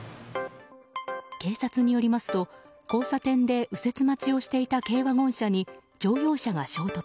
警察によりますと交差点で右折待ちをしていた軽ワゴン車に乗用車が衝突。